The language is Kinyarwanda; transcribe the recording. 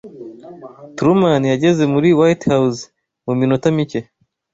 Truman yageze muri White House mu minota mike.